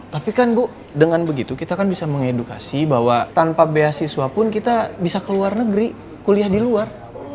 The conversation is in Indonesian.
tapi kan bu dengan begitu kita kan bisa mengedukasi bahwa tanpa beasiswa pun kita bisa ke luar negeri kuliah di luar